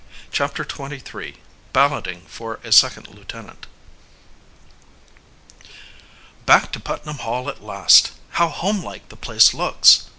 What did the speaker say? CHAPTER XXIII BALLOTING FOR A SECOND LIEUTENANT "Back to Putnam Hall at last! How home like the place looks!"